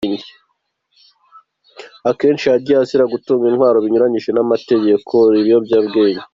Akenshi yagiye azira gutungwa intwaro binyuranyije n’amategeko, ibiyobyabwenge.